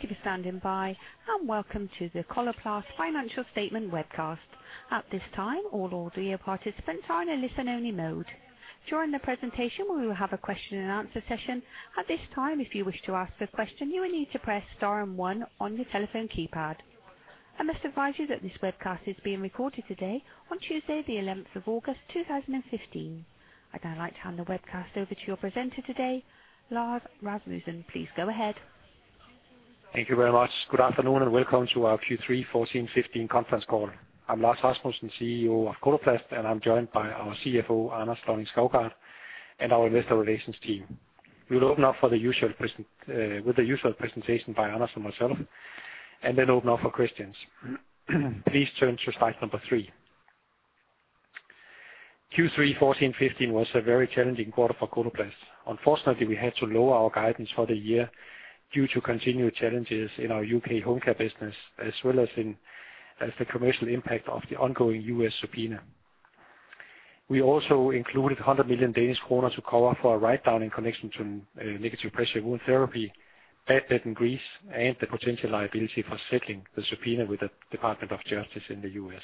Thank you for standing by, and welcome to the Coloplast Financial Statement Webcast. At this time, all audio participants are in a listen-only mode. During the presentation, we will have a question and answer session. At this time, if you wish to ask a question, you will need to press star and 1 on your telephone keypad. I must advise you that this webcast is being recorded today, on Tuesday, the 11th of August, 2015. I'd now like to hand the webcast over to your presenter today, Lars Rasmussen. Please go ahead. Thank you very much. Good afternoon. Welcome to our Q3 2014-2015 conference call. I'm Lars Rasmussen, CEO of Coloplast, and I'm joined by our CFO, Anders Lonning-Skovgaard, and our investor relations team. We'll open up with the usual presentation by Anders and myself. Open up for questions. Please turn to slide number 3. Q3 2014-2015 was a very challenging quarter for Coloplast. Unfortunately, we had to lower our guidance for the year due to continued challenges in our UK home care business, as well as the commercial impact of the ongoing US subpoena. We also included 100 million Danish kroner to cover for a write-down in connection to negative pressure wound therapy, bad debt in Greece, and the potential liability for settling the subpoena with the Department of Justice in the US.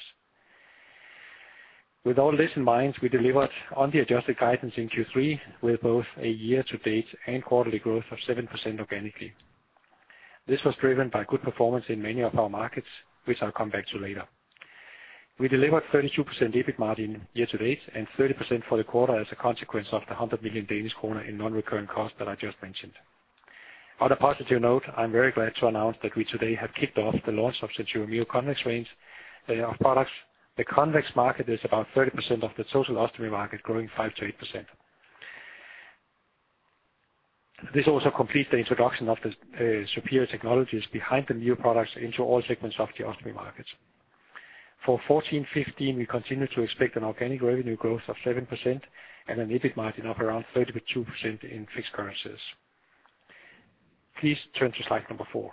With all this in mind, we delivered on the adjusted guidance in Q3, with both a year-to-date and quarterly growth of 7% organically. This was driven by good performance in many of our markets, which I'll come back to later. We delivered 32% EBIT margin year-to-date, and 30% for the quarter as a consequence of the 100 million Danish kroner in non-reoccurring costs that I just mentioned. On a positive note, I'm very glad to announce that we today have kicked off the launch of the new convex range of products. The convex market is about 30% of the total ostomy market, growing 5%-8%. This also completes the introduction of the superior technologies behind the new products into all segments of the ostomy markets. For 2014-2015, we continue to expect an organic revenue growth of 7% and an EBIT margin of around 32% in fixed currencies. Please turn to slide number 4.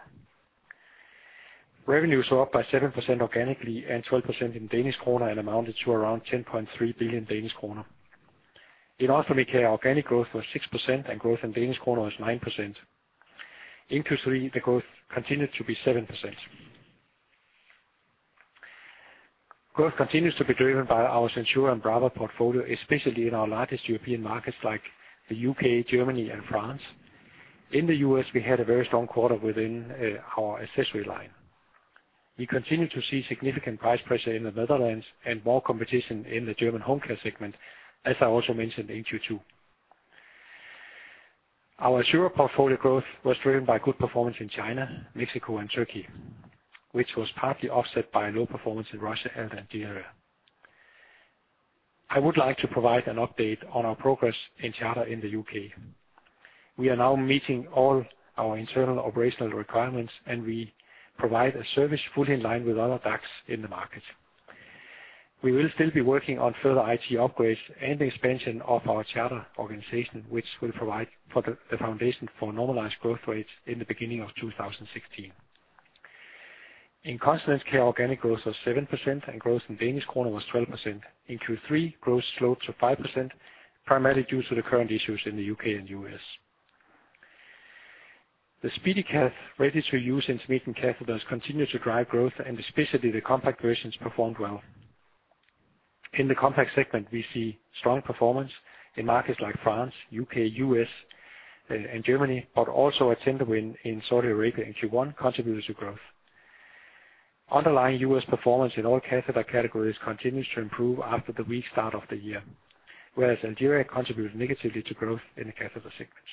Revenues were up by 7% organically and 12% in DKK, and amounted to around 10.3 billion Danish kroner. In ostomy care, organic growth was 6%, and growth in DKK was 9%. In Q3, the growth continued to be 7%. Growth continues to be driven by our SenSura and Brava portfolio, especially in our largest European markets, like the UK, Germany, and France. In the U.S., we had a very strong quarter within our accessory line. We continue to see significant price pressure in the Netherlands and more competition in the German home care segment, as I also mentioned in Q2. Our Assura portfolio growth was driven by good performance in China, Mexico, and Turkey, which was partly offset by low performance in Russia and Algeria. I would like to provide an update on our progress in Charter in the U.K. We are now meeting all our internal operational requirements, and we provide a service fully in line with other DACs in the market. We will still be working on further IT upgrades and expansion of our Charter organization, which will provide for the foundation for normalized growth rates in the beginning of 2016. In continence care, organic growth was 7%, and growth in Danish kroner was 12%. In Q3, growth slowed to 5%, primarily due to the current issues in the U.K. and U.S. The SpeediCath ready-to-use intermittent catheters continue to drive growth, and especially the compact versions performed well. In the compact segment, we see strong performance in markets like France, U.K., U.S., and Germany. A tender win in Saudi Arabia in Q1 contributed to growth. Underlying U.S. performance in all catheter categories continues to improve after the weak start of the year, whereas Algeria contributed negatively to growth in the catheter segment.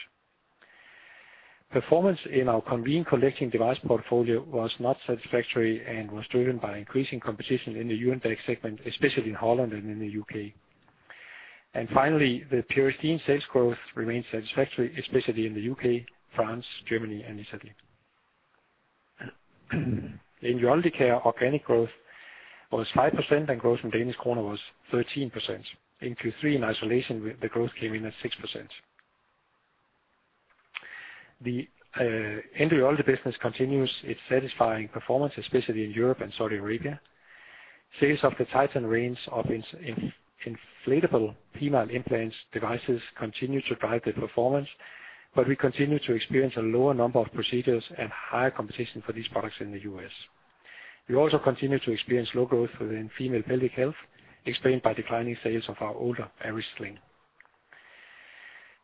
Performance in our Conveen collecting device portfolio was not satisfactory and was driven by increasing competition in the Urotex segment, especially in Holland and in the U.K. Finally, the Peristeen sales growth remains satisfactory, especially in the U.K., France, Germany, and Italy. In urology care, organic growth was 5%, and growth in Danish kroner was 13%. In Q3, in isolation, the growth came in at 6%. The end Urology business continues its satisfying performance, especially in Europe and Saudi Arabia. Sales of the Titan range of inflatable female implant devices continue to drive the performance. We continue to experience a lower number of procedures and higher competition for these products in the US. We also continue to experience low growth within female pelvic health, explained by declining sales of our older Aris sling.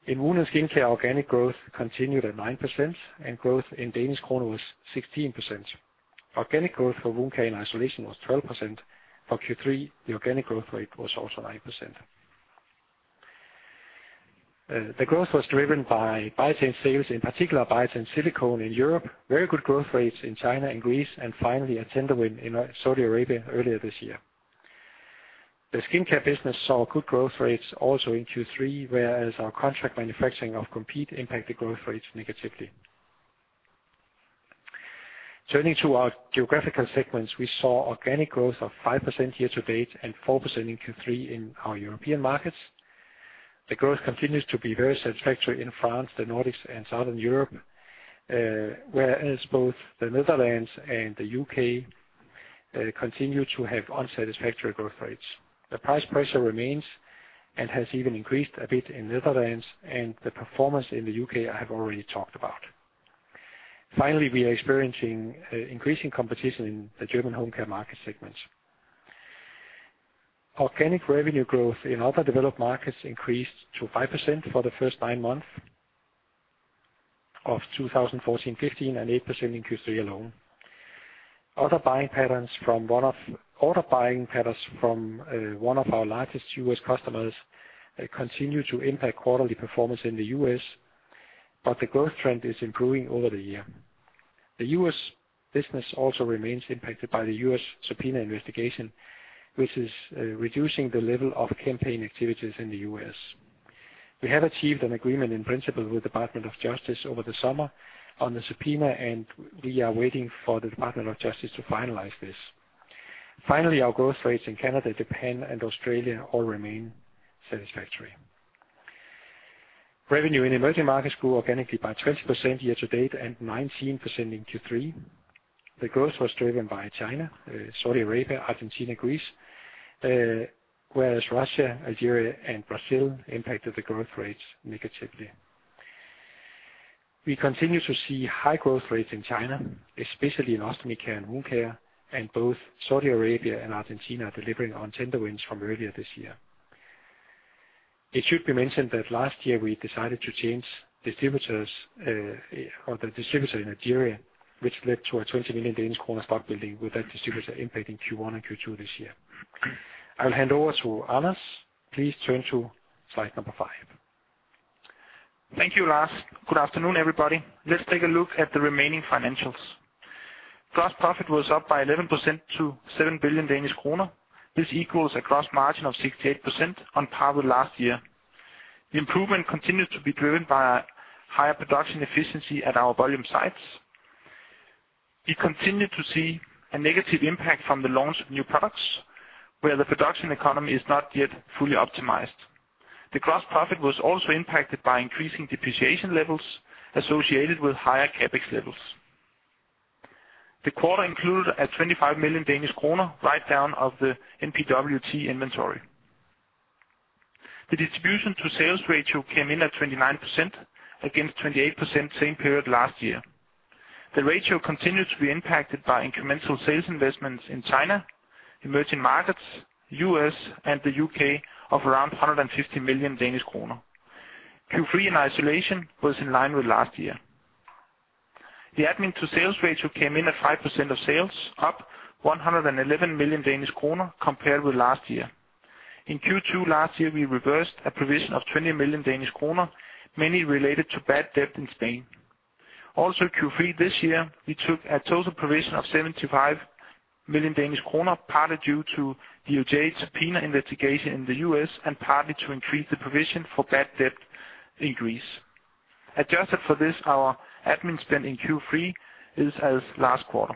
In wound and skincare, organic growth continued at 9%. Growth in DKK was 16%. Organic growth for wound care in isolation was 12%. For Q3, the organic growth rate was also 9%. The growth was driven by Biatain sales, in particular, Biatain Silicone in Europe, very good growth rates in China and Greece. Finally, a tender win in Saudi Arabia earlier this year. The skincare business saw good growth rates also in Q3, whereas our contract manufacturing of Compeed impacted growth rates negatively. Turning to our geographical segments, we saw organic growth of 5% year to date, and 4% in Q3 in our European markets. The growth continues to be very satisfactory in France, the Nordics, and Southern Europe, whereas both the Netherlands and the UK continue to have unsatisfactory growth rates. The price pressure remains and has even increased a bit in Netherlands, and the performance in the UK, I have already talked about. Finally, we are experiencing increasing competition in the German home care market segments. Organic revenue growth in other developed markets increased to 5% for the first nine months of 2014-2015, and 8% in Q3 alone. Other buying patterns from order buying patterns from one of our largest US customers continue to impact quarterly performance in the US, but the growth trend is improving over the year. The US business also remains impacted by the US subpoena investigation, which is reducing the level of campaign activities in the US. We have achieved an agreement in principle with Department of Justice over the summer on the subpoena, and we are waiting for the Department of Justice to finalize this. Finally, our growth rates in Canada, Japan, and Australia all remain satisfactory. Revenue in emerging markets grew organically by 20% year to date, and 19% in Q3. The growth was driven by China, Saudi Arabia, Argentina, Greece, whereas Russia, Algeria, and Brazil impacted the growth rates negatively. We continue to see high growth rates in China, especially in ostomy care and wound care, and both Saudi Arabia and Argentina are delivering on tender wins from earlier this year. It should be mentioned that last year we decided to change distributors, or the distributor in Nigeria, which led to a 20 million stock building with that distributor impact in Q1 and Q2 this year. I'll hand over to Anders. Please turn to slide number 5. Thank you, Lars. Good afternoon, everybody. Let's take a look at the remaining financials. Gross profit was up by 11% to 7 billion Danish kroner. This equals a gross margin of 68% on par with last year. The improvement continues to be driven by a higher production efficiency at our volume sites. We continue to see a negative impact from the launch of new products, where the production economy is not yet fully optimized. The gross profit was also impacted by increasing depreciation levels associated with higher CapEx levels. The quarter included a 25 million Danish kroner write-down of the NPWT inventory. The distribution to sales ratio came in at 29%, against 28% same period last year. The ratio continues to be impacted by incremental sales investments in China, emerging markets, U.S., and the U.K. of around 150 million Danish kroner. Q3 in isolation was in line with last year. The admin to sales ratio came in at 5% of sales, up 111 million Danish kroner compared with last year. In Q2 last year, we reversed a provision of 20 million Danish kroner, mainly related to bad debt in Spain. Also, Q3 this year, we took a total provision of 75 million Danish kroner, partly due to DOJ subpoena investigation in the U.S., and partly to increase the provision for bad debt in Greece. Adjusted for this, our admin spend in Q3 is as last quarter.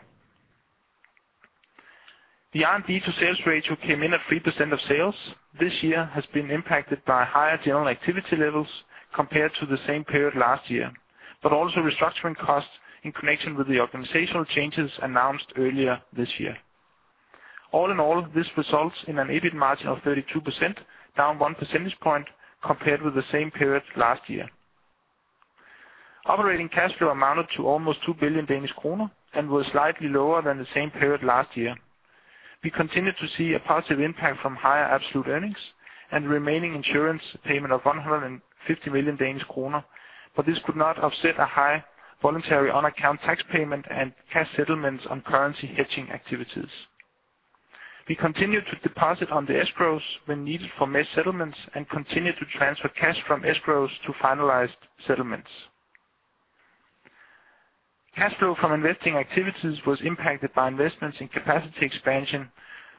The R&D to sales ratio came in at 3% of sales. This year has been impacted by higher general activity levels compared to the same period last year, but also restructuring costs in connection with the organizational changes announced earlier this year. All in all, this results in an EBIT margin of 32%, down 1 percentage point compared with the same period last year. Operating cash flow amounted to almost 2 billion Danish kroner and was slightly lower than the same period last year. We continued to see a positive impact from higher absolute earnings and remaining insurance payment of 150 million Danish kroner, but this could not offset a high voluntary on account tax payment and cash settlements on currency hedging activities. We continued to deposit on the escrows when needed for mesh settlements and continued to transfer cash from escrows to finalized settlements. Cash flow from investing activities was impacted by investments in capacity expansion,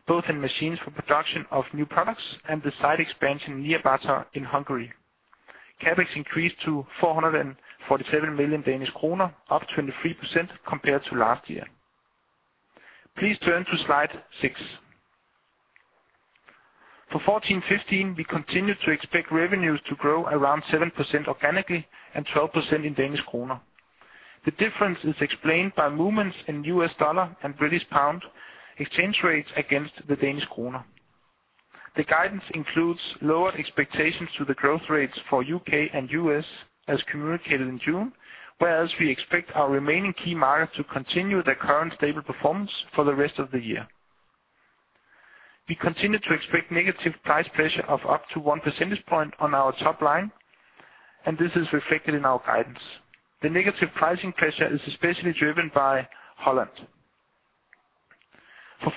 both in machines for production of new products and the site expansion near Nyírbátor in Hungary. CapEx increased to 447 million Danish kroner, up 23% compared to last year. Please turn to slide 6. For 2014-2015, we continued to expect revenues to grow around 7% organically and 12% in Danish kroner. The difference is explained by movements in U.S. dollar and British pound exchange rates against the Danish kroner. The guidance includes lower expectations to the growth rates for U.K. and U.S., as communicated in June, whereas we expect our remaining key markets to continue their current stable performance for the rest of the year. We continue to expect negative price pressure of up to 1 percentage point on our top line, and this is reflected in our guidance. The negative pricing pressure is especially driven by Holland. For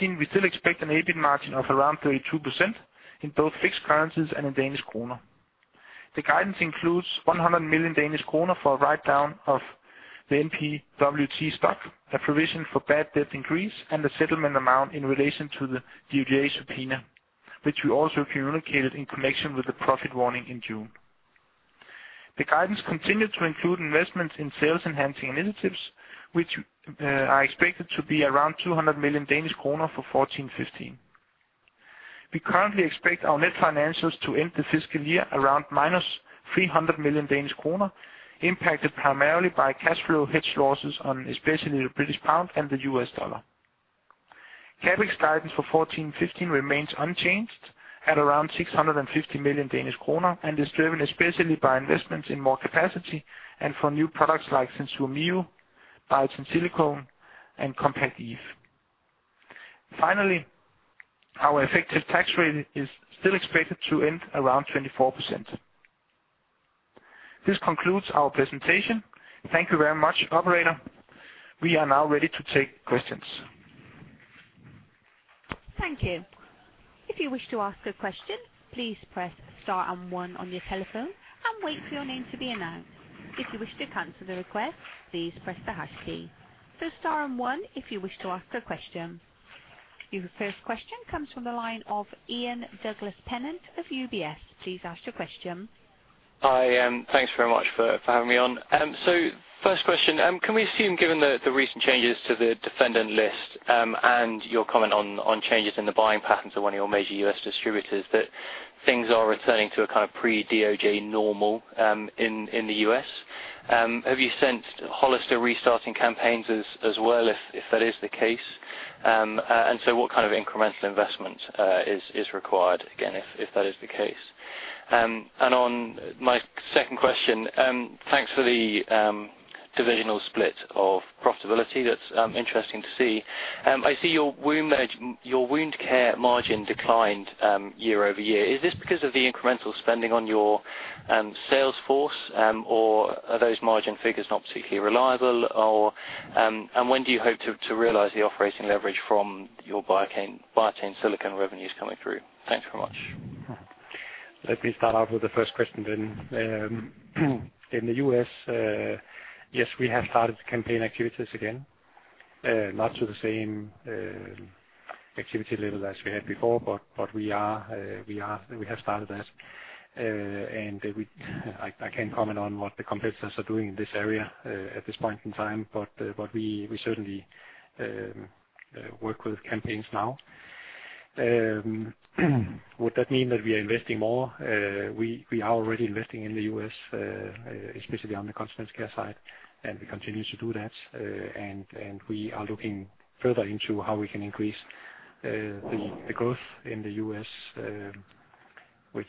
2014-2015, we still expect an EBIT margin of around 32% in both fixed currencies and in Danish kroner. The guidance includes 100 million Danish kroner for a write-down of the NPWT stock, a provision for bad debt in Greece, and the settlement amount in relation to the DOJ subpoena, which we also communicated in connection with the profit warning in June. The guidance continued to include investments in sales-enhancing initiatives, which are expected to be around 200 million Danish kroner for 2014-2015. We currently expect our net financials to end the fiscal year around minus 300 million Danish kroner, impacted primarily by cash flow hedge losses on especially the British pound and the US dollar. CapEx guidance for 2014-2015 remains unchanged at around 650 million Danish kroner and is driven especially by investments in more capacity and for new products like SenSura Mio, Biatain Silicone, and CompactCath. Finally, our effective tax rate is still expected to end around 24%. This concludes our presentation. Thank you very much, operator. We are now ready to take questions. Thank you. If you wish to ask a question, please press star and 1 on your telephone and wait for your name to be announced. If you wish to cancel the request, please press the hash key. Star and 1 if you wish to ask a question. Your first question comes from the line of Ian Douglas-Pennant of UBS. Please ask your question. Hi, thanks very much for having me on. First question, can we assume, given the recent changes to the defendant list, and your comment on changes in the buying patterns of one of your major U.S. distributors, that things are returning to a kind of pre-DOJ normal in the U.S.? Have you sensed Hollister restarting campaigns as well, if that is the case? What kind of incremental investment is required again, if that is the case? On my second question, thanks for the divisional split of profitability. That's interesting to see. I see your wound care margin declined year-over-year. Is this because of the incremental spending on your sales force, or are those margin figures not particularly reliable? When do you hope to realize the operating leverage from your Biatain Silicone revenues coming through? Thanks very much. Let me start off with the first question then. In the U.S., yes, we have started the campaign activities again, not to the same activity level as we had before, but we have started that. We, I can't comment on what the competitors are doing in this area at this point in time, but we certainly work with campaigns now. Would that mean that we are investing more? We are already investing in the U.S., especially on the consumer care side, and we continue to do that. We are looking further into how we can increase the growth in the U.S., which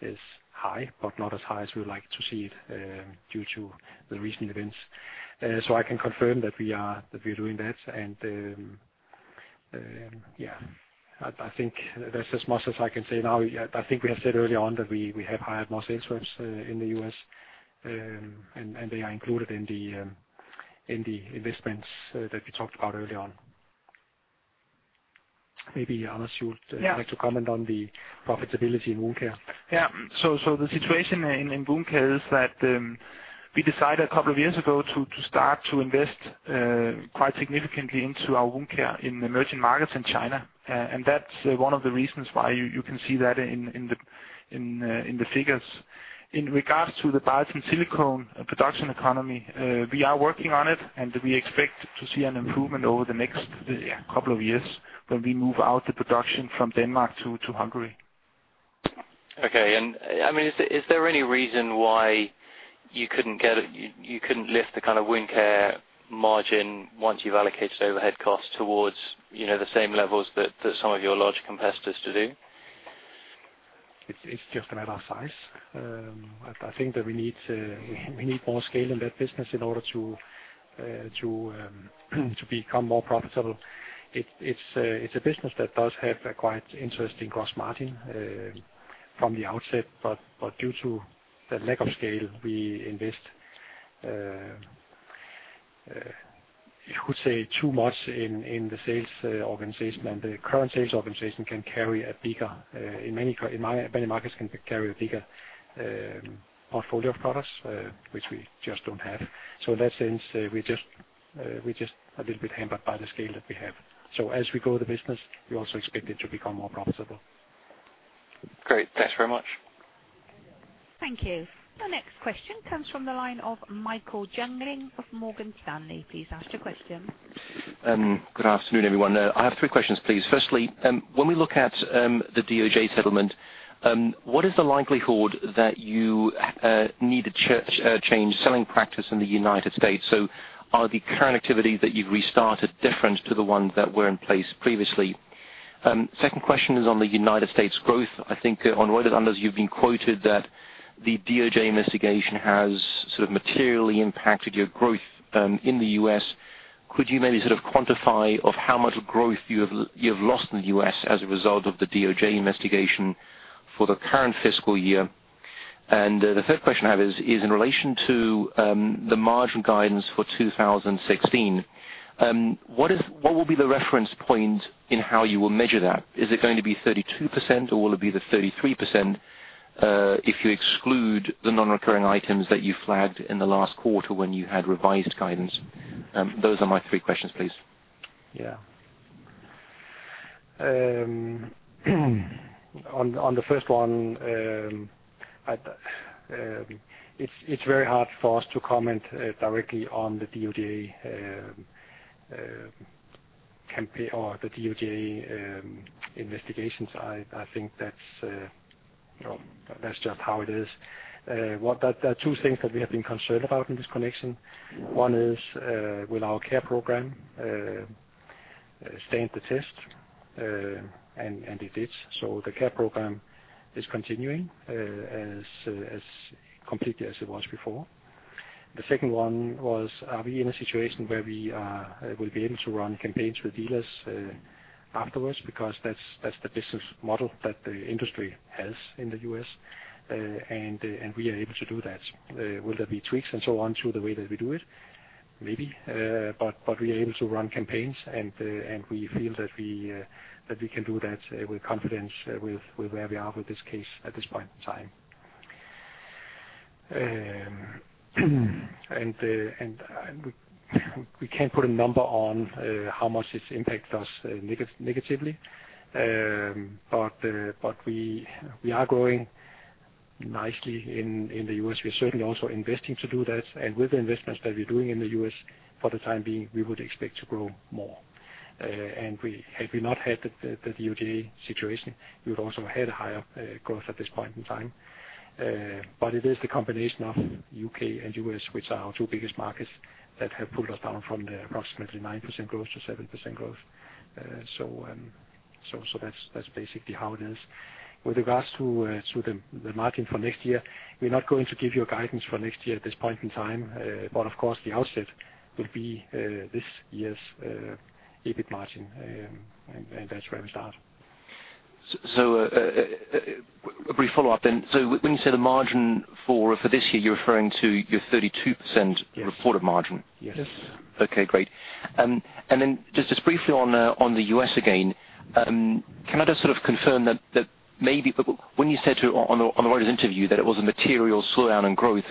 is high, but not as high as we would like to see it due to the recent events. I can confirm that we are doing that. Yeah, I think that's as much as I can say now. I think we have said early on that we have hired more sales reps in the U.S., and they are included in the investments that we talked about early on. Maybe, Anders. Yeah. like to comment on the profitability in wound care. So the situation in wound care is that we decided a couple of years ago to start to invest quite significantly into our wound care in emerging markets in China. That's one of the reasons why you can see that in the figures. In regards to the Biatain Silicone production economy, we are working on it, and we expect to see an improvement over the next couple of years when we move out the production from Denmark to Hungary. Okay. I mean, is there any reason why you couldn't get it, you couldn't lift the kind of wound care margin once you've allocated overhead costs towards, you know, the same levels that some of your larger competitors do? It's just a matter of size. I think that we need to, we need more scale in that business in order to become more profitable. It's a business that does have a quite interesting gross margin from the outset, but due to the lack of scale, we invest, you could say, too much in the sales organization. The current sales organization can carry a bigger, in many markets, can carry a bigger portfolio of products, which we just don't have. In that sense, we just a little bit hampered by the scale that we have. As we grow the business, we also expect it to become more profitable. Great. Thanks very much. Thank you. The next question comes from the line of Michael Jüngling of Morgan Stanley. Please ask your question. Good afternoon, everyone. I have three questions, please. Firstly, when we look at the DOJ settlement, what is the likelihood that you need to change selling practice in the United States? Are the current activities that you've restarted different to the ones that were in place previously? Second question is on the United States growth. I think on one of the others, you've been quoted that the DOJ investigation has sort of materially impacted your growth in the US. Could you maybe sort of quantify of how much growth you have lost in the US as a result of the DOJ investigation for the current fiscal year? The third question I have is, in relation to the margin guidance for 2016, what will be the reference point in how you will measure that? Is it going to be 32%, or will it be the 33%, if you exclude the non-recurring items that you flagged in the last quarter when you had revised guidance? Those are my three questions, please. Yeah. On the first one, it's very hard for us to comment directly on the DOJ campaign or the DOJ investigations. I think that's, you know, that's just how it is. There are two things that we have been concerned about in this connection. One is, will our Care program stand the test? And it did. The Care program is continuing as completely as it was before. The second one was, are we in a situation where we will be able to run campaigns with dealers afterwards? That's the business model that the industry has in the U.S., and we are able to do that. Will there be tweaks and so on to the way that we do it? Maybe. We are able to run campaigns, and we feel that we can do that with confidence, with where we are with this case at this point in time. We can't put a number on how much this impacts us negatively. We are growing nicely in the US. We are certainly also investing to do that, and with the investments that we're doing in the US, for the time being, we would expect to grow more. Had we not had the DOJ situation, we would also had higher growth at this point in time. It is the combination of U.K. and U.S., which are our two biggest markets, that have pulled us down from the approximately 9% growth to 7% growth. That's basically how it is. With regards to the margin for next year, we're not going to give you a guidance for next year at this point in time. Of course, the outset will be this year's EBIT margin, and that's where we start. A brief follow-up then. When you say the margin for this year, you're referring to your 32%- Yes. reported margin? Yes. Okay, great. Then just briefly on the US again, can I just sort of confirm that maybe when you said to on the earnings interview that it was a material slowdown in growth,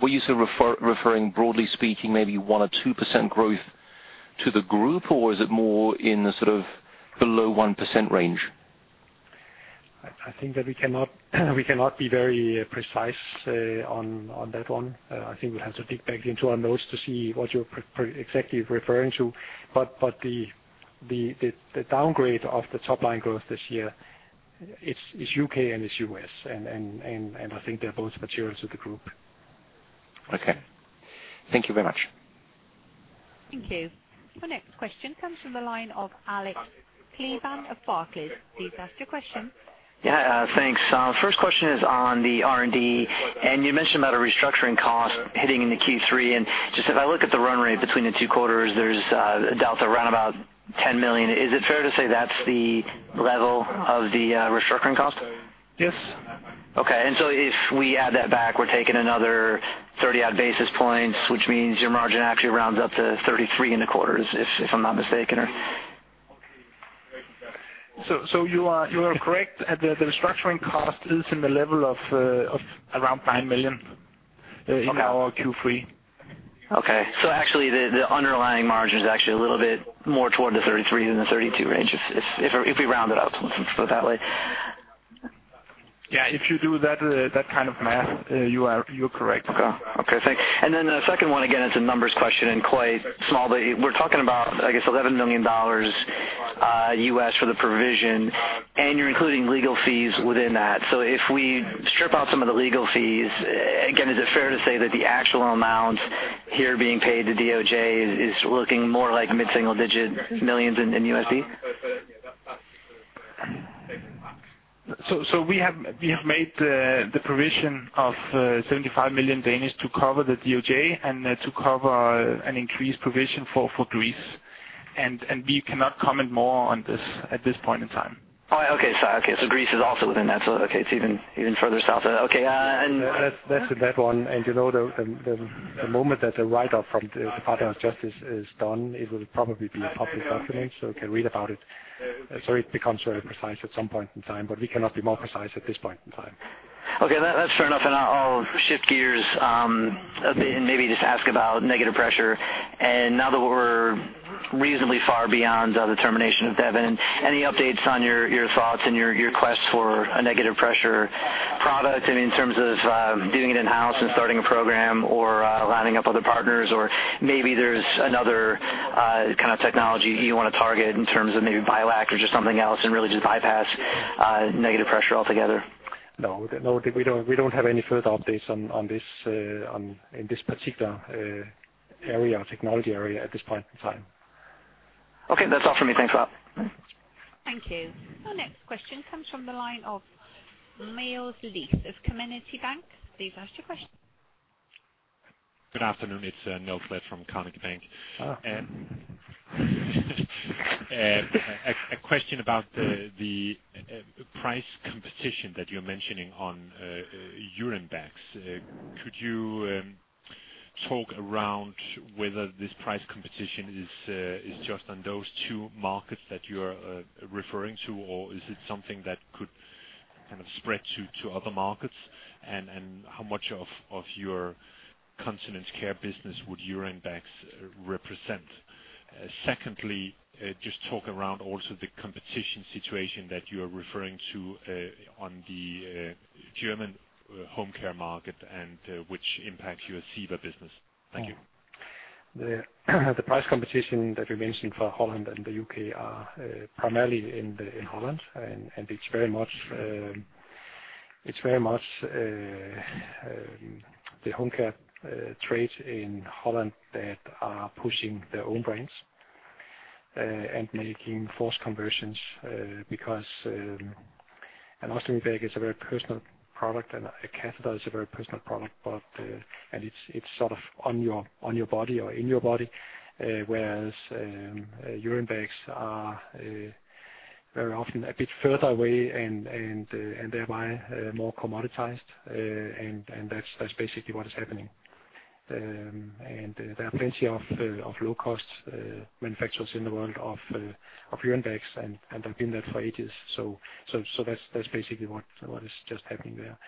were you sort of referring, broadly speaking, maybe 1% or 2% growth to the group, or is it more in the sort of below 1% range? I think that we cannot be very precise on that one. I think we'll have to dig back into our notes to see what you're exactly referring to. The downgrade of the top line growth this year, it's UK and it's US. I think they're both materials to the group. Okay. Thank you very much. Thank you. Our next question comes from the line of Alex Kleban of Barclays. Please ask your question. Yeah, thanks. First question is on the R&D, you mentioned about a restructuring cost hitting in the Q3. Just if I look at the run rate between the two quarters, there's a delta around about 10 million. Is it fair to say that's the level of the restructuring cost? Yes. If we add that back, we're taking another 30 odd basis points, which means your margin actually rounds up to 33 in the quarter, if I'm not mistaken, or? You are correct. The restructuring cost is in the level of around 10 million. Okay. in our Q3. actually, the underlying margin is actually a little bit more toward the 33% than the 32% range, if we round it up, let's put it that way. Yeah, if you do that kind of math, you're correct. Okay. Okay, thanks. The second one, again, it's a numbers question and quite small, but we're talking about, I guess, $11 million for the provision, and you're including legal fees within that. If we strip out some of the legal fees, again, is it fair to say that the actual amount here being paid to DOJ is looking more like mid-single digit millions in USD? We have made the provision of 75 million to cover the DOJ and to cover an increased provision for Greece. We cannot comment more on this at this point in time. All right. Okay, sorry. Okay, Greece is also within that. Okay, it's even further south. Okay. That's a bad one. You know, the, the moment that the write-up from the Department of Justice is done, it will probably be a public document, so you can read about it. It becomes very precise at some point in time, but we cannot be more precise at this point in time. Okay, that's fair enough. I'll shift gears a bit, and maybe just ask about negative pressure. Now that we're reasonably far beyond the termination of Mentor, any updates on your thoughts and your quest for a negative pressure product? I mean, in terms of doing it in-house and starting a program or lining up other partners, or maybe there's another kind of technology you wanna target in terms of maybe Biolac or just something else, and really just bypass negative pressure altogether. No, we don't have any further updates on this in this particular area or technology area at this point in time. Okay, that's all for me. Thanks a lot. Thank you. Our next question comes from the line of Niels Leth of Carnegie. Please ask your question. Good afternoon. It's Niels Leth from Carnegie. Ah. A question about the price competition that you're mentioning on urine bags. Could you talk around whether this price competition is just on those two markets that you are referring to, or is it something that could kind of spread to other markets? How much of your continence care business would urine bags represent? Secondly, just talk around also the competition situation that you are referring to on the German home care market and which impacts your GHD business. Thank you. The price competition that we mentioned for Holland and the UK are primarily in Holland, and it's very much the home care trade in Holland that are pushing their own brands and making false conversions, because an ostomy bag is a very personal product, and a catheter is a very personal product, but and it's sort of on your body or in your body. Whereas urine bags are very often a bit further away and thereby more commoditized. That's basically what is happening. There are plenty of low-cost manufacturers in the world of urine bags, and have been there for ages. That's basically what is just happening there.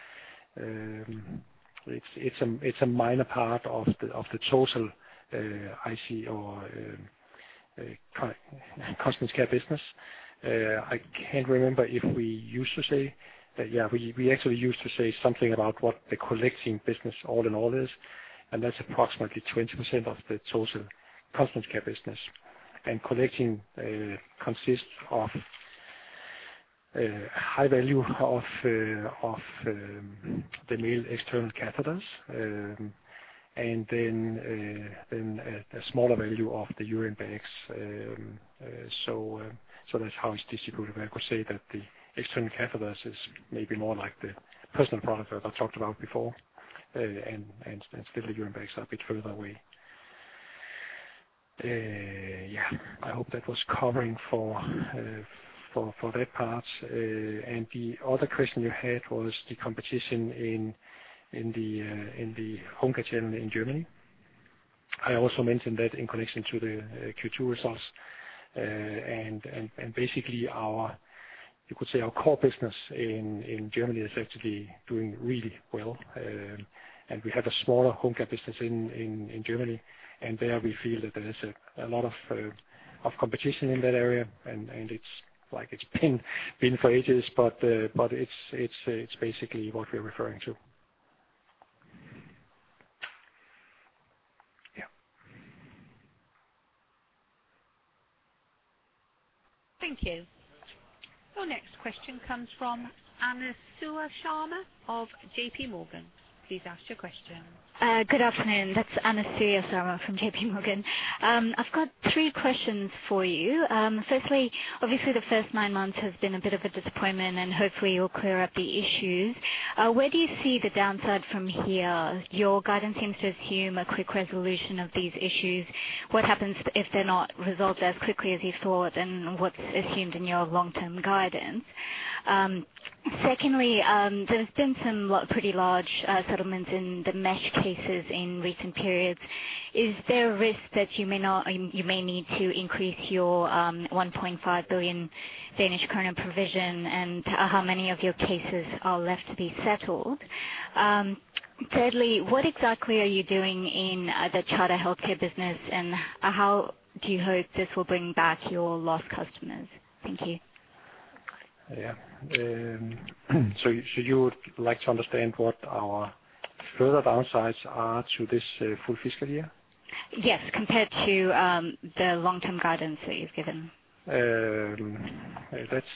It's a minor part of the total IC or continence care business. I can't remember if we used to say that. We actually used to say something about what the collecting business all in all is, and that's approximately 20% of the total continence care business. Collecting consists of high value of the male external catheters, and then a smaller value of the urine bags. That's how it's distributed. I could say that the external catheters is maybe more like the personal product that I talked about before, and still the urine bags are a bit further away. Yeah, I hope that was covering for that part. The other question you had was the competition in the home care channel in Germany. I also mentioned that in connection to the Q2 results. Basically our, you could say, our core business in Germany is actually doing really well. We have a smaller home care business in Germany, and there we feel that there is a lot of competition in that area, and it's like it's been for ages, but it's basically what we're referring to. Thank you. Your next question comes from Anusha Pally of J.P. Morgan. Please ask your question. Good afternoon. That's Anusha Pally from J.P. Morgan. I've got three questions for you. Firstly, obviously the first nine months has been a bit of a disappointment, and hopefully you'll clear up the issues. Where do you see the downside from here? Your guidance seems to assume a quick resolution of these issues. What happens if they're not resolved as quickly as you thought, and what's assumed in your long-term guidance? Secondly, there's been some pretty large settlements in the mesh cases in recent periods. Is there a risk that you may not, you may need to increase your 1.5 billion Danish kroner Danish current provision, and how many of your cases are left to be settled? Thirdly, what exactly are you doing in the Charter Healthcare business, and how do you hope this will bring back your lost customers? Thank you. You would like to understand what our further downsides are to this, full fiscal year? Yes, compared to, the long-term guidance that you've given. That's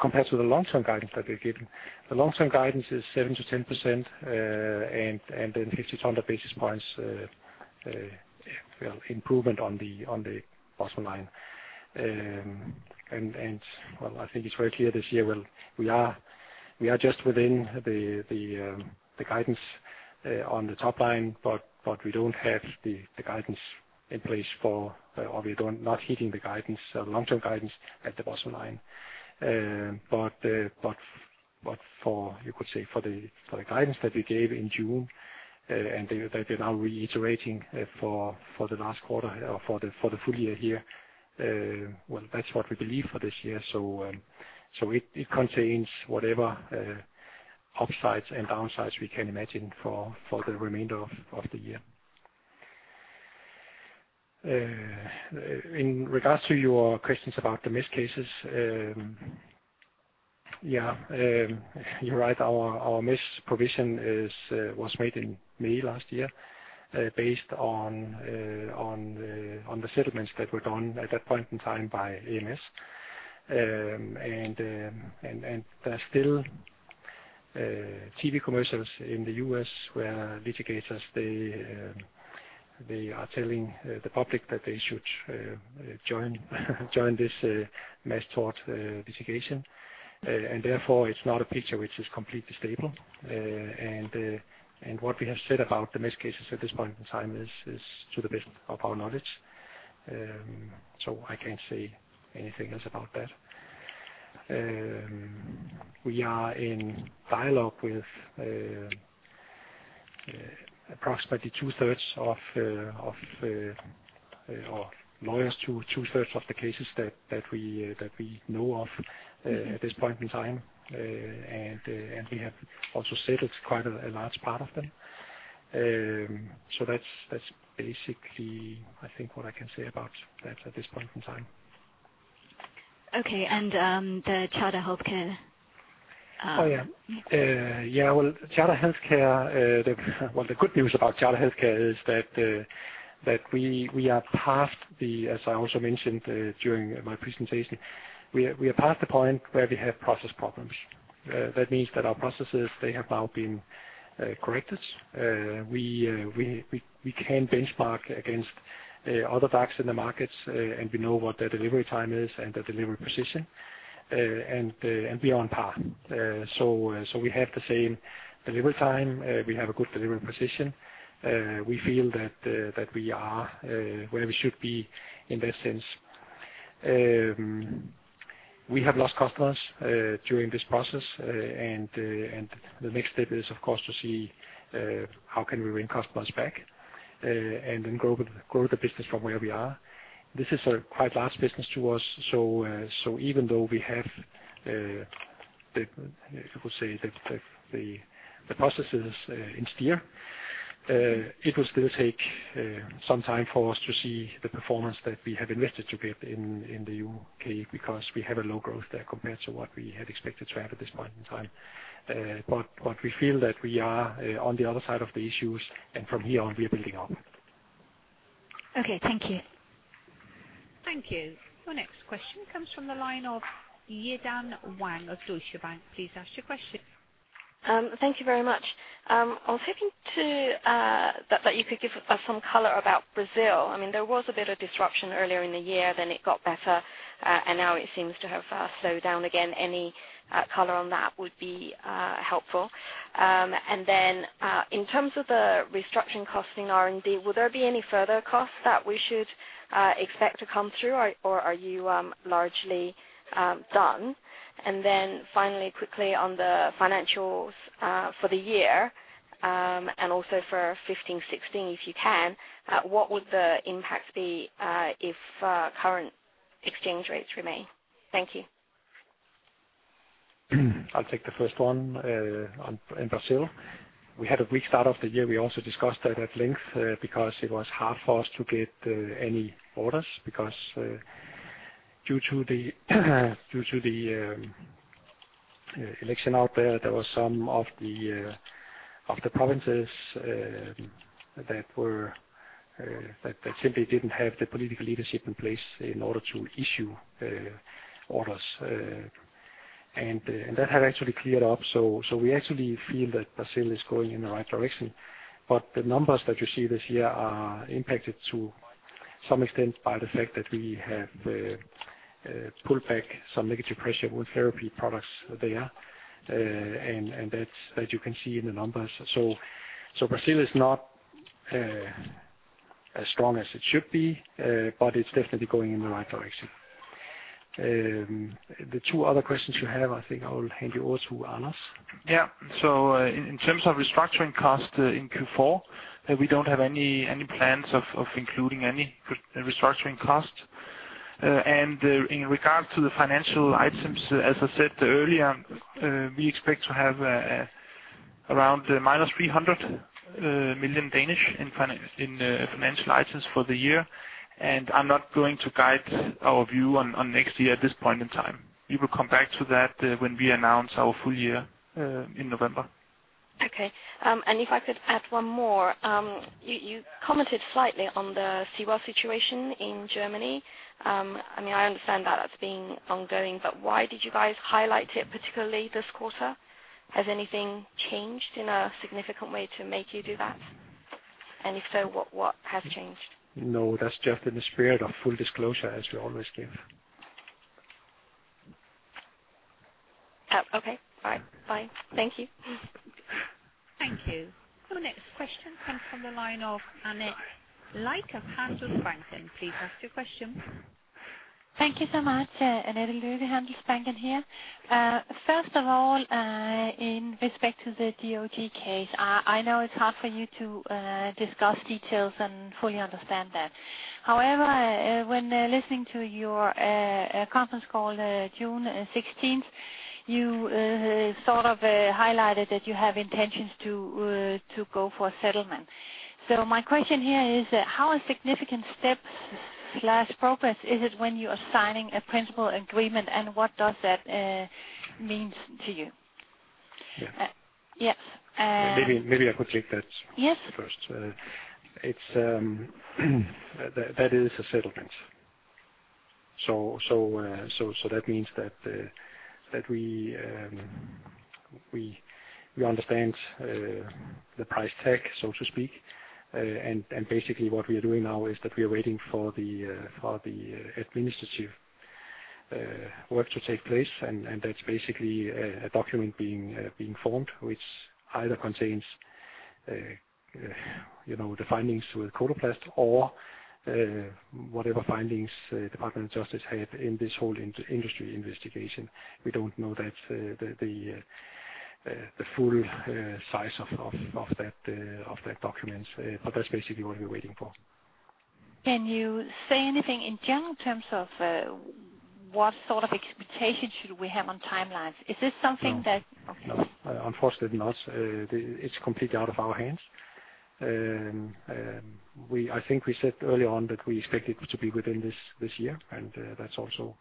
compared to the long-term guidance that we've given. The long-term guidance is 7%-10% and 50-100 basis points improvement on the bottom line. Well, I think it's very clear this year, well, we are just within the guidance on the top line, but we don't have the guidance in place for or not hitting the long-term guidance at the bottom line. But for the guidance that we gave in June and that we're now reiterating for the last quarter or for the full year here, that's what we believe for this year. it contains whatever upsides and downsides we can imagine for the remainder of the year. In regards to your questions about the mesh cases, yeah, you're right. Our mesh provision was made in May last year, based on the settlements that were done at that point in time by AMS. And there are still T.V. commercials in the U.S. where litigators, they are telling the public that they should join this mass tort litigation. Therefore, it's not a picture which is completely stable. And what we have said about the mesh cases at this point in time is to the best of our knowledge, so I can't say anything else about that. We are in dialogue with approximately 2/3 of or lawyers to 2/3 of the cases that we know of at this point in time. We have also settled quite a large part of them. That's basically, I think, what I can say about that at this point in time. Okay, the Charter Healthcare. Oh, yeah. Well, Charter Healthcare, the good news about Charter Healthcare is that we are past the, as I also mentioned during my presentation, we are past the point where we have process problems. That means that our processes, they have now been corrected. We can benchmark against other DACs in the markets, and we know what their delivery time is and their delivery precision, and we are on par. We have the same delivery time. We have a good delivery precision. We feel that we are where we should be in that sense. We have lost customers during this process. The next step is, of course, to see how can we win customers back, and then grow the business from where we are. This is a quite large business to us, so even though we have the, I would say, the processes in steer, it will still take some time for us to see the performance that we have invested to get in the UK because we have a low growth there compared to what we had expected to have at this point in time. We feel that we are on the other side of the issues, and from here on, we are building up. Okay, thank you. Thank you. Your next question comes from the line of Yi-Dan Wang of Deutsche Bank. Please ask your question. Thank you very much. I was hoping that you could give some color about Brazil. I mean, there was a bit of disruption earlier in the year, then it got better. Now it seems to have slowed down again. Any color on that would be helpful. In terms of the restructuring cost in R&D, will there be any further costs that we should expect to come through, or are you largely done? Finally, quickly on the financials for the year, and also for 2015-2016, if you can, what would the impact be if current exchange rates remain? Thank you. I'll take the first one, on, in Brazil. We had a weak start of the year. We also discussed that at length because it was hard for us to get any orders because due to the election out there were some of the provinces that were simply didn't have the political leadership in place in order to issue orders. That had actually cleared up, so we actually feel that Brazil is going in the right direction. The numbers that you see this year are impacted to some extent by the fact that we have pulled back some negative pressure wound therapy products there. That you can see in the numbers. Brazil is not as strong as it should be, but it's definitely going in the right direction. The two other questions you have, I think I will hand you over to Anders. In terms of restructuring costs in Q4, we don't have any plans of including any restructuring costs. In regards to the financial items, as I said earlier, we expect to have around minus 300 million in financial items for the year, and I'm not going to guide our view on next year at this point in time. We will come back to that when we announce our full year in November. Okay. If I could add one more. You commented slightly on the GHD situation in Germany. I mean, I understand that that's been ongoing, but why did you guys highlight it, particularly this quarter? Has anything changed in a significant way to make you do that? If so, what has changed? No, that's just in the spirit of full disclosure, as we always give. Oh, okay. All right, bye. Thank you. Thank you. Our next question comes from the line of Annette Lykke of Handelsbanken. Please ask your question. Thank you so much, Annette Lykke, Handelsbanken here. First of all, in respect to the DOJ case, I know it's hard for you to discuss details and fully understand that. However, when listening to your conference call, June 16th, you sort of highlighted that you have intentions to go for a settlement. My question here is, how a significant step slash progress is it when you are signing a principal agreement, and what does that means to you? Yeah. Yes. Maybe I could take that. Yes... first. It's that is a settlement. That means that we understand the price tag, so to speak. Basically what we are doing now is that we are waiting for the administrative work to take place, and that's basically a document being formed, which either contains, you know, the findings with Coloplast or whatever findings Department of Justice have in this whole industry investigation. We don't know that the full size of that document. That's basically what we're waiting for. Can you say anything in general in terms of what sort of expectation should we have on timelines? Is this something that? No. No, unfortunately not. It's completely out of our hands. I think we said early on that we expect it to be within this year, that's also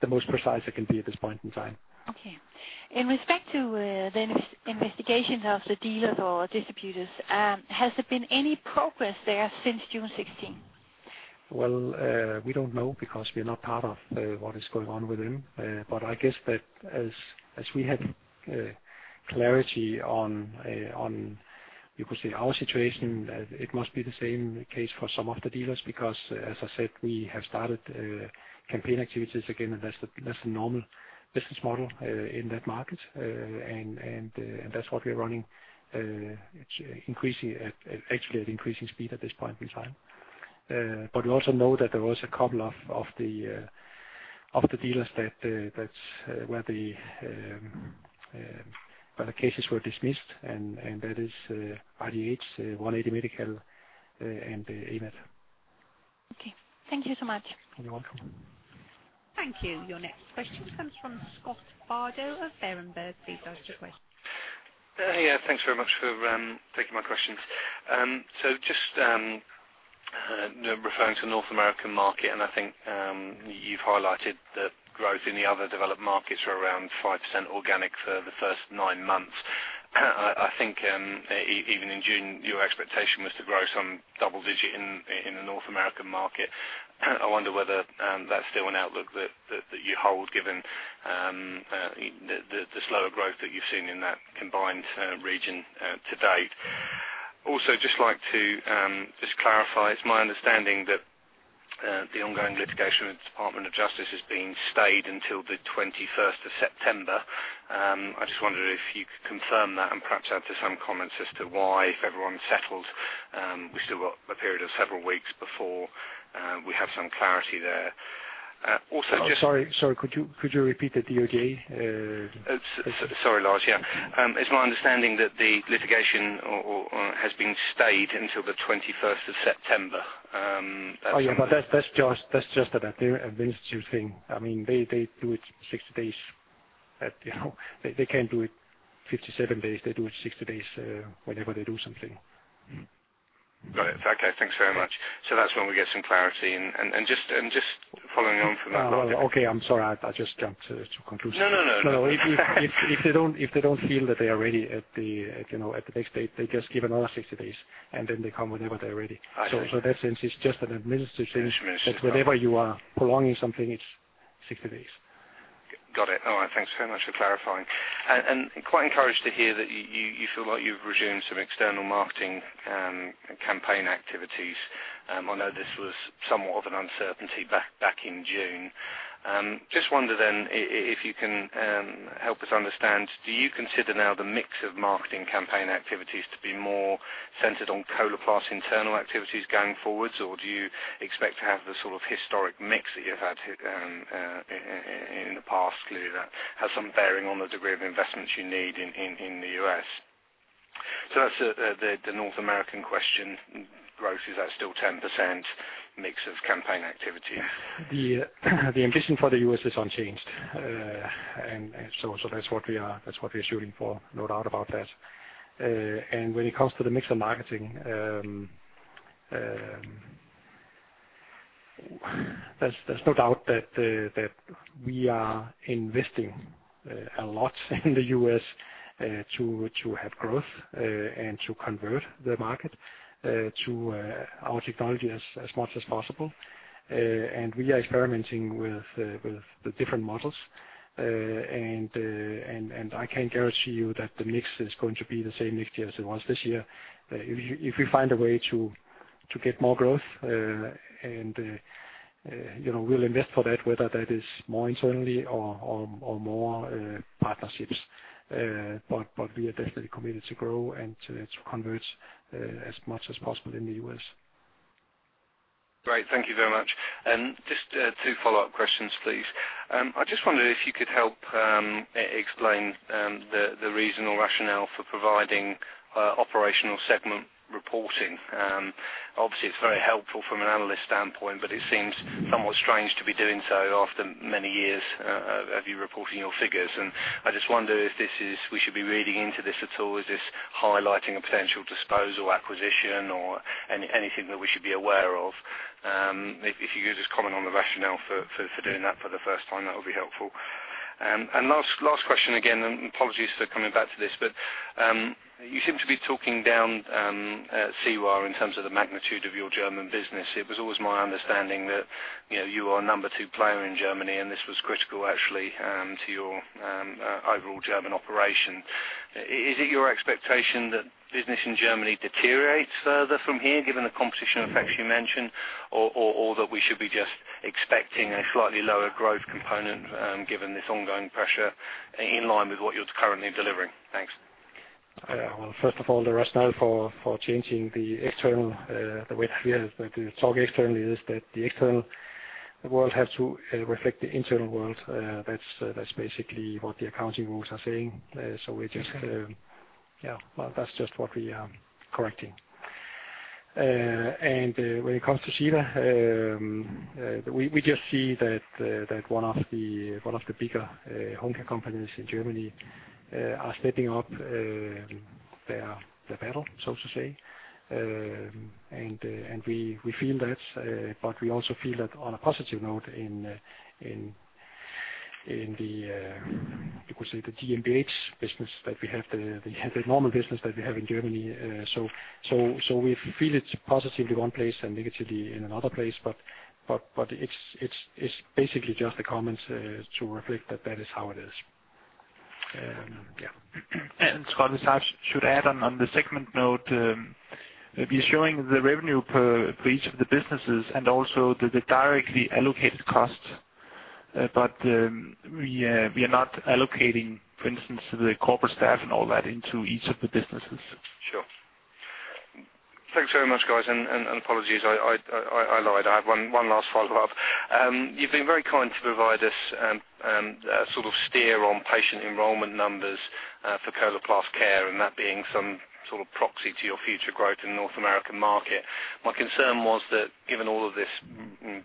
the most precise I can be at this point in time. Okay. In respect to, the investigations of the dealers or distributors, has there been any progress there since June 16? Well, we don't know because we are not part of what is going on with them. I guess that as we had clarity on, you could say, our situation, it must be the same case for some of the dealers, because, as I said, we have started campaign activities again, and that's the normal business model in that market. That's what we're running, it's increasing at actually at increasing speed at this point in time. We also know that there was a couple of the dealers that's where the cases were dismissed, and that is RGH Enterprises, 180 Medical, and Byram. Okay. Thank you so much. You're welcome. Thank you. Your next question comes from Scott Bardo of Berenberg. Please go ahead, Scott. Yeah, thanks very much for taking my questions. Just referring to the North American market, you've highlighted the growth in the other developed markets are around 5% organic for the first 9 months. Even in June, your expectation was to grow some double digit in the North American market. I wonder whether that's still an outlook that you hold, given the slower growth that you've seen in that combined region to date. Just like to just clarify, it's my understanding that the ongoing litigation with the Department of Justice has been stayed until the 21st of September. I just wondered if you could confirm that and perhaps add to some comments as to why, if everyone settles, we've still got a period of several weeks before we have some clarity there. Also, Sorry. Could you repeat that again? sorry, Lars. Yeah. It's my understanding that the litigation or has been stayed until the 21st of September. Oh, yeah, that's just an administrative thing. I mean, they do it 60 days. You know, they can't do it 57 days. They do it 60 days whenever they do something. Got it. Okay, thanks very much. That's when we get some clarity. And just following on from that. Okay, I'm sorry. I just jumped to conclusions. No, no. No, no. If they don't feel that they are ready at the, you know, at the next date, they just give another 60 days, and then they come whenever they're ready. I see. In that sense, it's just an administrative thing. Administrative thing.... that whenever you are prolonging something, it's 60 days. Got it. All right, thanks so much for clarifying. Quite encouraged to hear that you feel like you've resumed some external marketing campaign activities. I know this was somewhat of an uncertainty back in June. Just wonder then if you can help us understand, do you consider now the mix of marketing campaign activities to be more centered on Coloplast internal activities going forwards? Or do you expect to have the sort of historic mix that you've had in the past, clearly that has some bearing on the degree of investments you need in the US? That's the North American question. Growth, is that still 10% mix of campaign activity? The ambition for the US is unchanged. That's what we are shooting for, no doubt about that. When it comes to the mix of marketing, there's no doubt that we are investing a lot in the US to have growth and to convert the market to our technology as much as possible. We are experimenting with the different models. I can't guarantee you that the mix is going to be the same next year as it was this year. If we find a way to get more growth, and, you know, we'll invest for that, whether that is more internally or more partnerships. We are definitely committed to grow and to convert, as much as possible in the U.S. Great. Thank you very much. Just two follow-up questions, please. I just wondered if you could help explain the reason or rationale for providing operational segment reporting. Obviously, it's very helpful from an analyst standpoint, but it seems somewhat strange to be doing so after many years of you reporting your figures. I just wonder if we should be reading into this at all. Is this highlighting a potential disposal acquisition or anything that we should be aware of? If you could just comment on the rationale for doing that for the first time, that would be helpful. Last question, again, and apologies for coming back to this, but you seem to be talking down GHD in terms of the magnitude of your German business. It was always my understanding that, you know, you are number two player in Germany, and this was critical actually, to your overall German operation. Is it your expectation that business in Germany deteriorates further from here, given the competition effects you mentioned, or that we should be just expecting a slightly lower growth component, given this ongoing pressure in line with what you're currently delivering? Thanks. Well, first of all, the rationale for changing the external, the way we talk externally is that the external world has to reflect the internal world. That's, that's basically what the accounting rules are saying. We're just, yeah, well, that's just what we are correcting. When it comes to GHD, we just see that one of the, one of the bigger home care companies in Germany are stepping up their, the battle, so to say. We, we feel that, but we also feel that on a positive note, in, in the, you could say the GmbH business, that we have the, the normal business that we have in Germany. We feel it's positively one place and negatively in another place, but it's basically just the comments to reflect that that is how it is. Scott, I should add on the segment note, we're showing the revenue for each of the businesses and also the directly allocated costs. We are not allocating, for instance, the corporate staff and all that into each of the businesses. Sure. Thanks very much, guys. Apologies, I lied. I have one last follow-up. You've been very kind to provide us a sort of steer on patient enrollment numbers for Coloplast Care, that being some sort of proxy to your future growth in North American market. My concern was that given all of this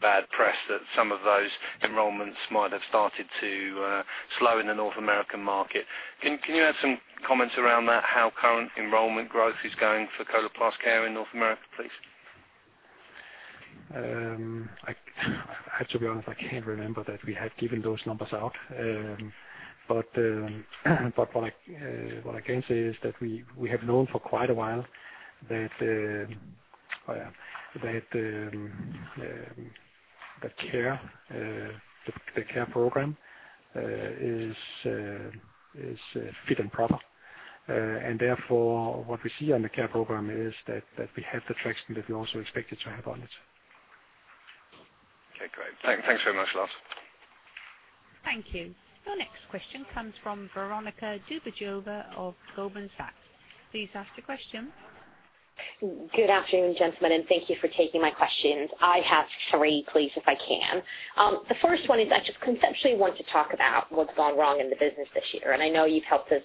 bad press, that some of those enrollments might have started to slow in the North American market. Can you add some comments around that, how current enrollment growth is going for Coloplast Care in North America, please? I have to be honest, I can't remember that we had given those numbers out. What I can say is that we have known for quite a while that the Care Program is fit and proper. Therefore, what we see on the Care Program is that we have the traction that we also expected to have on it. Okay, great. Thanks very much, Lars. Thank you. Your next question comes from Veronika Dubajova of Goldman Sachs. Please ask your question. Good afternoon, gentlemen, and thank you for taking my questions. I have 3, please, if I can. The first one is I just conceptually want to talk about what's gone wrong in the business this year, and I know you've helped us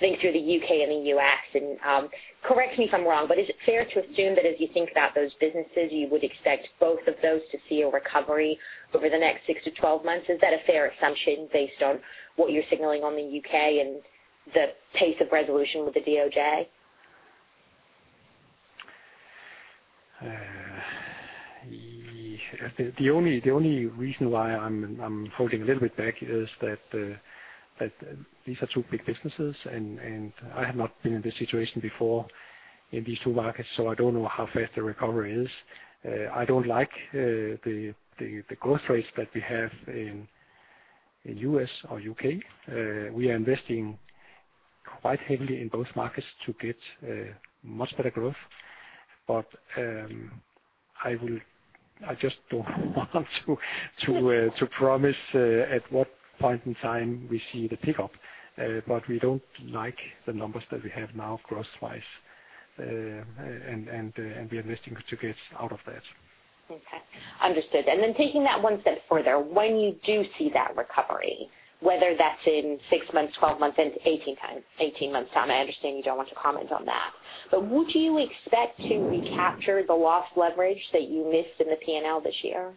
think through the UK and the US. Correct me if I'm wrong, but is it fair to assume that as you think about those businesses, you would expect both of those to see a recovery over the next 6-12 months? Is that a fair assumption based on what you're signaling on the UK and the pace of resolution with the DOJ? The only reason why I'm holding a little bit back is that these are two big businesses, and I have not been in this situation before in these two markets, so I don't know how fast the recovery is. I don't like the growth rates that we have in U.S. or U.K. We are investing quite heavily in both markets to get much better growth. I just don't want to promise at what point in time we see the pickup. We don't like the numbers that we have now, growth-wise, and we are investing to get out of that. Okay, understood. Taking that one step further, when you do see that recovery, whether that's in six months, 12 months, and 18 months' time, I understand you don't want to comment on that. Would you expect to recapture the lost leverage that you missed in the PNL this year?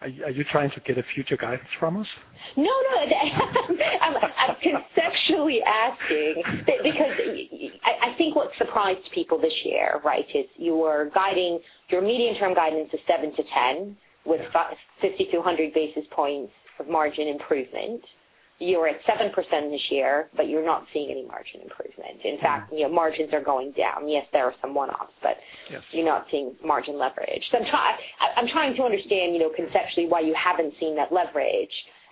Are you trying to get a future guidance from us? No, no. I'm conceptually asking, because I think what surprised people this year, right, is your guiding, your medium-term guidance is 7%-10%, with five, 50-100 basis points of margin improvement. You're at 7% this year, you're not seeing any margin improvement. In fact, you know, margins are going down. Yes, there are some one-offs, but. Yes. you're not seeing margin leverage. I'm trying to understand, you know, conceptually, why you haven't seen that leverage.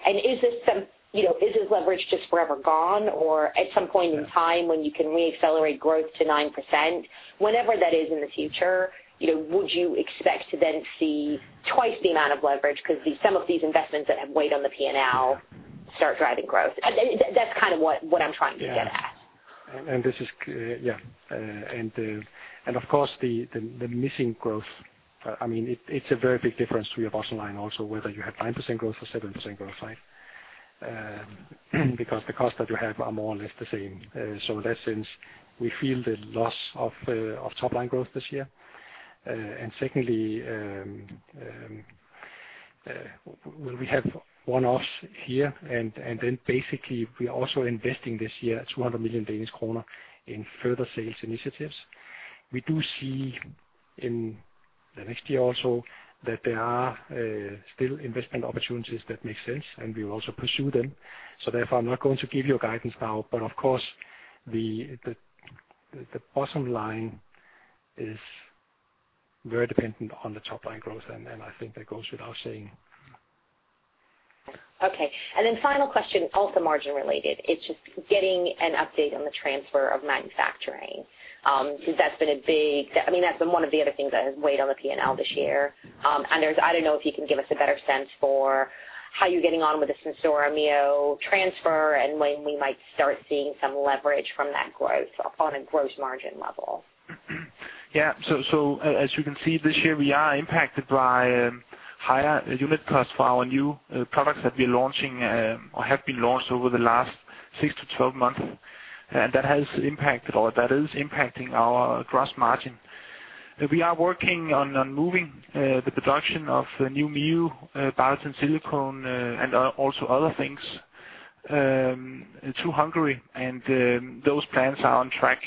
Is this some, you know, is this leverage just forever gone? Or at some point in time, when you can re-accelerate growth to 9%, whenever that is in the future, you know, would you expect to then see twice the amount of leverage because the, some of these investments that have weighed on the PNL start driving growth? That's kind of what I'm trying to get at. Yeah. This is, yeah, and of course, the missing growth, I mean, it's a very big difference to your bottom line also, whether you have 9% growth or 7% growth, right? Because the costs that you have are more or less the same. In that sense, we feel the loss of top line growth this year. Secondly, we have one-offs here, basically, we are also investing this year, 200 million Danish kroner in further sales initiatives. We do see in the next year also that there are still investment opportunities that make sense, and we will also pursue them. Therefore, I'm not going to give you a guidance now, but of course, the bottom line is very dependent on the top line growth, and I think that goes without saying. Okay, final question, also margin related. It's just getting an update on the transfer of manufacturing, since that's been a big, I mean, that's been one of the other things that has weighed on the P&L this year. There's, I don't know if you can give us a better sense for how you're getting on with the SenSura Mio transfer and when we might start seeing some leverage from that growth on a gross margin level? As you can see, this year, we are impacted by higher unit costs for our new products that we're launching, or have been launched over the last 6 to 12 months. That has impacted or that is impacting our gross margin. We are working on moving the production of new Mio Biatain Silicone, and also other things, to Hungary. Those plans are on track.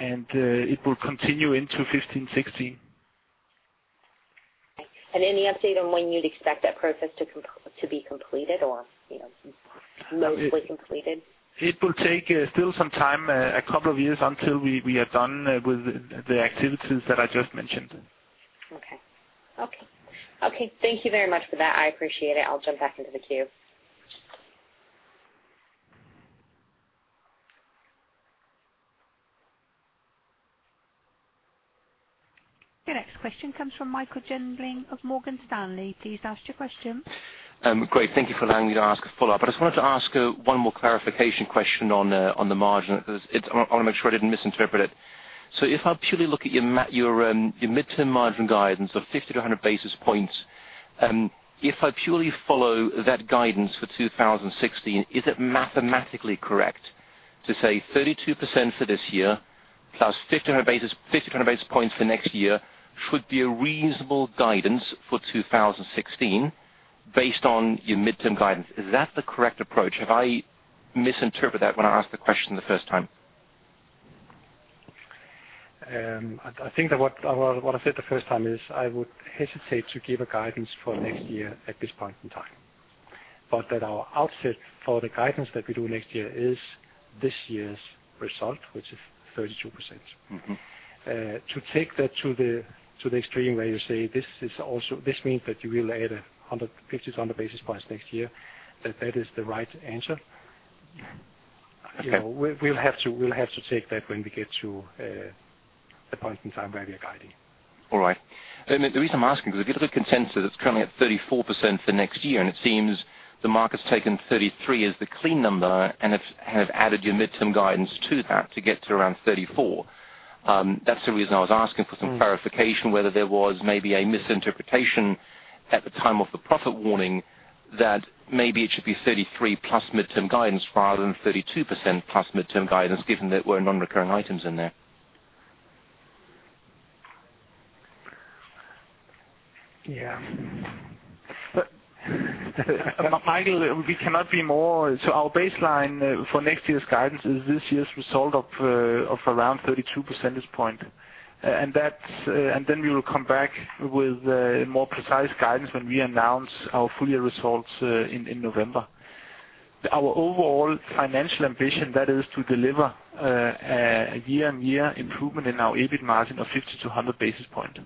It will continue into 2015-2016. Any update on when you'd expect that process to be completed or, you know, mostly completed? It will take still some time, a couple of years until we are done with the activities that I just mentioned. Okay. Okay. Okay, thank you very much for that. I appreciate it. I'll jump back into the queue. The next question comes from Michael Jüngling of Morgan Stanley. Please ask your question. Great. Thank you for allowing me to ask a follow-up. I just wanted to ask one more clarification question on the margin. I want to make sure I didn't misinterpret it. If I purely look at your your midterm margin guidance of 50-100 basis points, if I purely follow that guidance for 2016, is it mathematically correct to say 32% for this year, plus 5,000 basis points for next year should be a reasonable guidance for 2016, based on your midterm guidance? Is that the correct approach? Have I misinterpreted that when I asked the question the first time? I think that what I said the first time is I would hesitate to give a guidance for next year at this point in time. That our outset for the guidance that we do next year is this year's result, which is 32%. Mm-hmm. to take that to the, to the extreme, where you say, this means that you will add 50 to 100 basis points next year, that that is the right answer. Okay. You know, we'll have to take that when we get to the point in time where we are guiding. All right. The reason I'm asking, because if you look at consensus, it's currently at 34% for next year, and it seems the market's taken 33 as the clean number and have added your midterm guidance to that to get to around 34. That's the reason I was asking for some clarification, whether there was maybe a misinterpretation at the time of the profit warning, that maybe it should be 33 plus midterm guidance rather than 32% plus midterm guidance, given there were non-recurring items in there. Yeah. Michael, our baseline for next year's guidance is this year's result of around 32 percentage points. That's. We will come back with a more precise guidance when we announce our full year results in November. Our overall financial ambition, that is to deliver a year-on-year improvement in our EBIT margin of 50 to 100 basis points.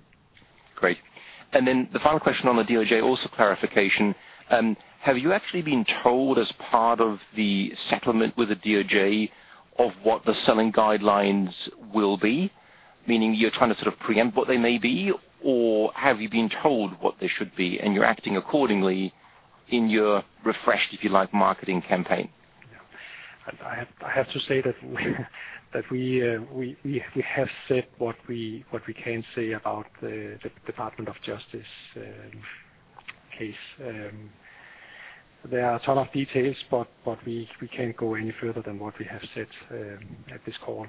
Great. Then the final question on the DOJ, also clarification. Have you actually been told as part of the settlement with the DOJ of what the selling guidelins will be, meaning you're trying to sort of preempt what they may be, or have you been told what they should be and you're acting accordingly in your refreshed, if you like, marketing campaign? I have to say that we have said what we can say about the Department of Justice case. There are a ton of details, but we can't go any further than what we have said at this call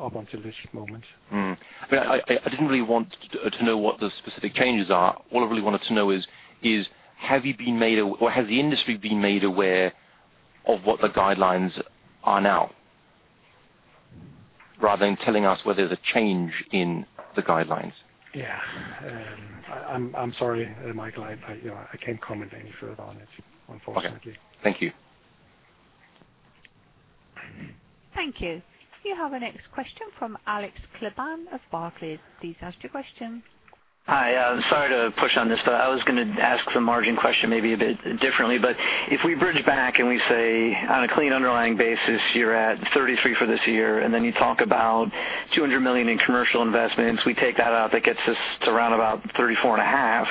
up until this moment. I didn't really want to know what the specific changes are. All I really wanted to know is have you been made, or has the industry been made aware of what the guidelines are now, rather than telling us whether there's a change in the guidelines? Yeah. I'm sorry, Michael, you know, I can't comment any further on it, unfortunately. Okay. Thank you. Thank you. You have our next question from Alex Owen of Barclays. Please ask your question. Hi, sorry to push on this, but I was going to ask the margin question maybe a bit differently. If we bridge back and we say on a clean underlying basis, you're at 33% for this year, you talk about 200 million in commercial investments, we take that out, that gets us to around about 34.5%.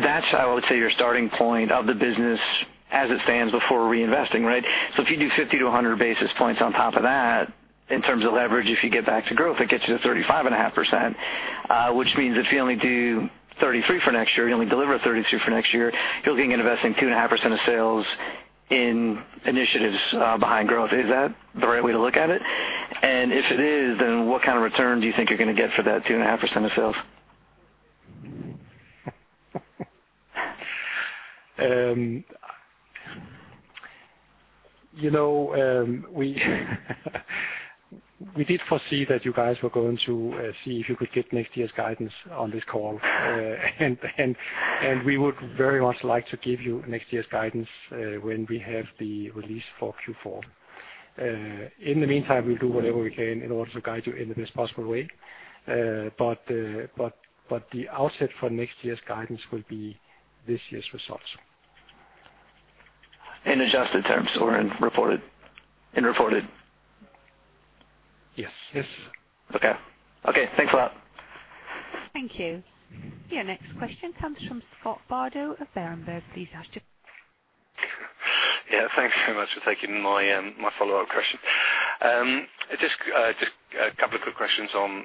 That's how I would say, your starting point of the business as it stands before reinvesting, right? If you do 50-100 basis points on top of that, in terms of leverage, if you get back to growth, it gets you to 35.5%, which means if you only do 33% for next year, you only deliver 32% for next year, you'll be investing 2.5% of sales in initiatives, behind growth. Is that the right way to look at it? If it is, what kind of return do you think you're going to get for that 2.5% of sales? You know, we did foresee that you guys were going to see if you could get next year's guidance on this call. We would very much like to give you next year's guidance when we have the release for Q4. In the meantime, we'll do whatever we can in order to guide you in the best possible way. The outset for next year's guidance will be this year's results. In adjusted terms or in reported? In reported. Yes. Yes. Okay. Okay, thanks a lot. Thank you. Your next question comes from Scott Bardo of Berenberg. Please ask your- Thank you very much for taking my follow-up question. Just a couple of quick questions on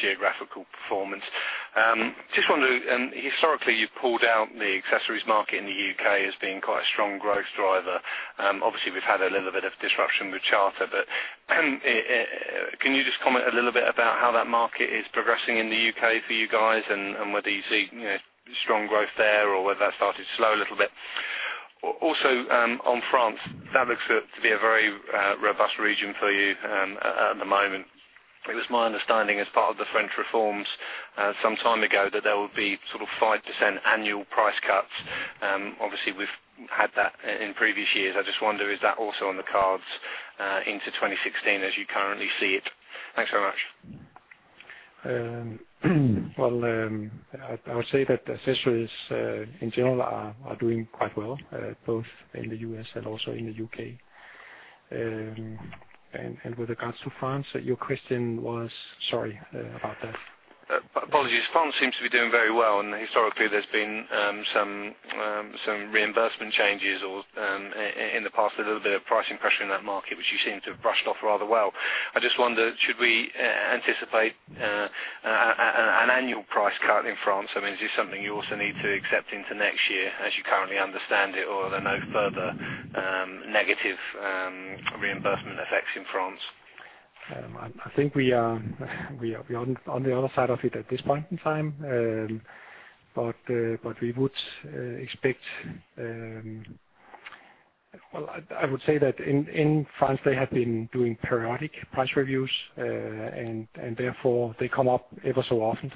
geographical performance. Historically, you've pulled out the accessories market in the UK as being quite a strong growth driver. Obviously, we've had a little bit of disruption with Charter. Can you just comment a little bit about how that market is progressing in the UK for you guys, and whether you see, you know, strong growth there, or whether that started slow a little bit? Also, on France, that looks to be a very robust region for you at the moment. It was my understanding as part of the French reforms, some time ago, that there will be sort of 5% annual price cuts. Obviously, we've had that in previous years. I just wonder, is that also on the cards, into 2016, as you currently see it? Thanks so much. Well, I would say that accessories, in general are doing quite well, both in the US and also in the UK. With regards to France, your question was? Sorry, about that. Apologies. France seems to be doing very well. Historically there's been some reimbursement changes or in the past, a little bit of pricing pressure in that market, which you seem to have brushed off rather well. I just wonder, should we anticipate an annual price cut in France? I mean, is this something you also need to accept into next year, as you currently understand it, or are there no further negative reimbursement effects in France? I think we are on the other side of it at this point in time. We would expect. Well, I would say that in France, they have been doing periodic price reviews, and therefore, they come up every so often.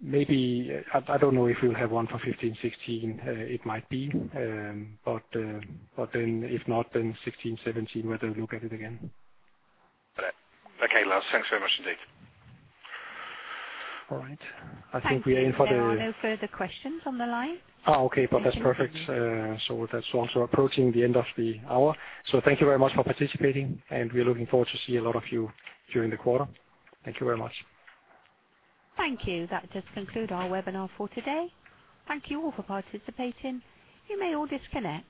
Maybe, I don't know if we'll have one for 15, 16. It might be, then if not, then 16, 17, we'll have a look at it again. Okay. Okay, Lars, thanks very much indeed. All right. I think we are in. Thank you. There are no further questions on the line. Oh, okay. That's perfect. Thank you. That's also approaching the end of the hour. Thank you very much for participating, and we're looking forward to see a lot of you during the quarter. Thank you very much. Thank you. That does conclude our webinar for today. Thank you all for participating. You may all disconnect.